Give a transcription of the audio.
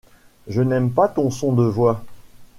Je n’aime pas ton son de voix.